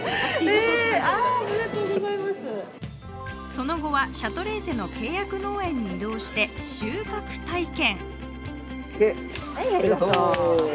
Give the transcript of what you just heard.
その後はシャトレーゼの契約農園に移動して、収穫体験。